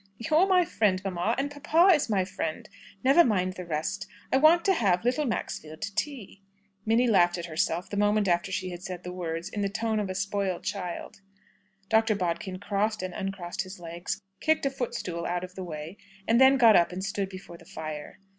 "You're my friend, mamma. And papa is my friend. Never mind the rest. I want to have little Maxfield to tea." Minnie laughed at herself, the moment after she had said the words, in the tone of a spoiled child. Dr. Bodkin crossed and uncrossed his legs, kicked a footstool out of the way, and then got up and stood before the fire.